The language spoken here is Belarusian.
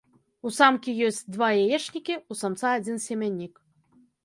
У самкі ёсць два яечнікі, у самца адзін семяннік.